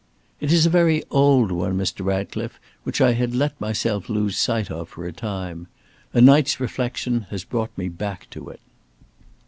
"It is a very old one, Mr. Ratcliffe, which I had let myself lose sight of, for a time. A night's reflection has brought me back to it."